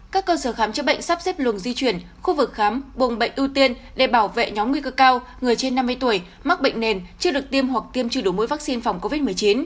các cơ sở khám chữa bệnh sắp xếp luồng di chuyển khu vực khám bồng bệnh ưu tiên để bảo vệ nhóm nguy cơ cao người trên năm mươi tuổi mắc bệnh nền chưa được tiêm hoặc tiêm trừ đủ mỗi vaccine phòng covid một mươi chín